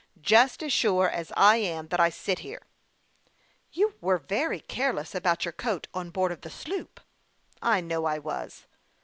" Just as sure as I am that I sit here." " You were very careless about your coat on board of the sloop." " I know I was."